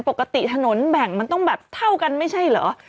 ปกติถนนแบ่งมันต้องแบบเท่ากันไม่ใช่เหรอ